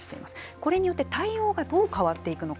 これによって対応がどう変わっていくのか